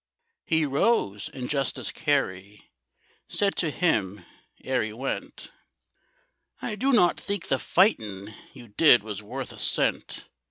He rose; and Justice Carey Said to him ere he went, "I do not think the fightin' You did was worth a cent.